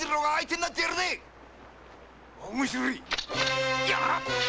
面白い！